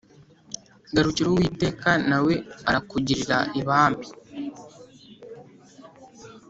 Garukira uwiteka nawe arakugirira ibambe